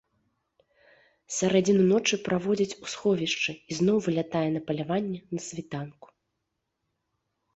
Сярэдзіну ночы праводзіць у сховішчы і зноў вылятае на паляванне на світанку.